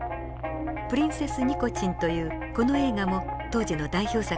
「プリンセス・ニコチン」というこの映画も当時の代表作の一つです。